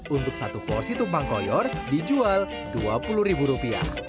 untuk satu porsi tumpang koyor dijual rp dua puluh